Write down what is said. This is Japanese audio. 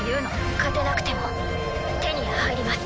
勝てなくても手に入ります。